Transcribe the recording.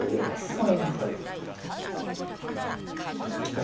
コーン入れますじゃあ